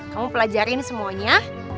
kamu pelajarin semuanya